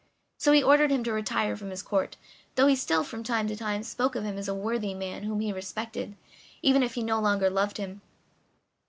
So he ordered him to retire from his Court, though he still, from time to time, spoke of him as a worthy man whom he respected, even if he no longer loved him.